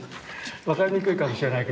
分かりにくいかもしれないけど。